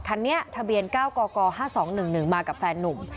คันนี้ทะเบียน๙กก๕๒๑๑มากับแฟนนุ่ม